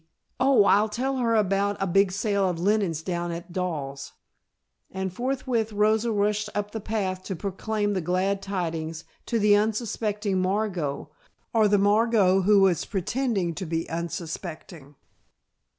Oh, I'll tell her about a big sale of linens down at Daws," and forthwith Rosa rushed up the path to proclaim the glad tidings to the unsuspecting Margot or the Margot who was pretending to be unsuspecting.